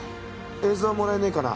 映像もらえねえかな？